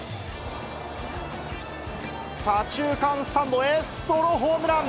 左中間スタンドへ、ソロホームラン。